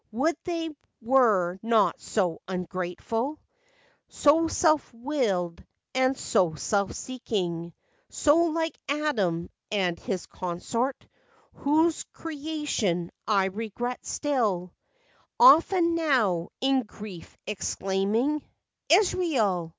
Would they were not so ungrateful, So self willed, and so self seeking; So like Adam and his consort, Whose creation I regret still, Often now in grief exclaiming: Israel!